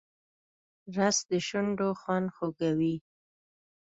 رس د شونډو خوند خوږوي